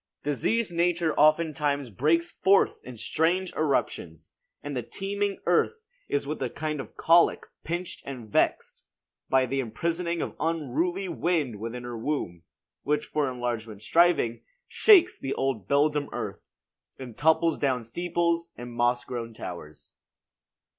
"Diseased Nature oftentimes breaks forth In strange eruptions: and the teeming earth Is with a kind of colic pinched and vexed By the imprisoning of unruly wind Within her womb; which for enlargement striving, Shakes the old beldam earth, and topples down Steeples and moss grown towers."